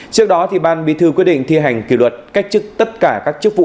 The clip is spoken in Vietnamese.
trước đó ban bí thư quyết định thi hành kỷ luật cách chức tất cả các chức vụ